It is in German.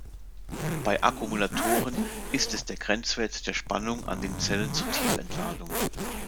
Bei Akkumulatoren ist es der Grenzwert der Spannung an den Zellen zur Tiefentladung.